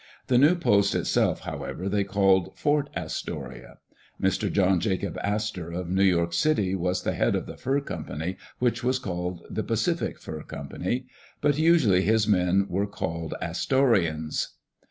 The new post itself, however, they called Fort Astoria. Mr. John Jacob Astor, of New York City, was the head of the fur company, which was called the Pacific Fur Company. But usually his men were called " Astorians."